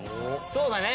そうだね。